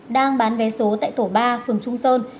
đang bán vé số tại tổ ba phường trung sơn